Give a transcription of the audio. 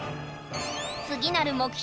次なる目標